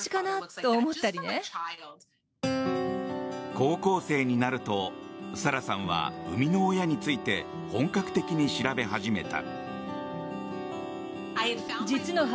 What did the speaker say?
高校生になると、サラさんは生みの親について本格的に調べ始めた。